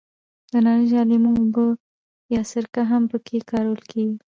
د نارنج یا لیمو اوبه یا سرکه هم په کې کارول کېږي.